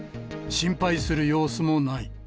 心配する様子もない。